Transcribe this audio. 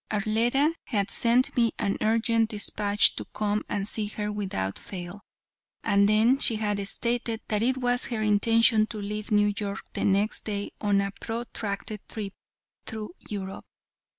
Arletta had sent me an urgent despatch to come and see her without fail, and then she had stated that it was her intention to leave New York the next day on a protracted trip through Europe.